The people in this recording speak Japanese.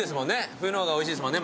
冬の方がおいしいですもんね。